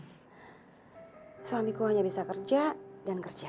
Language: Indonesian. hai suamiku hanya bisa kerja dan kerja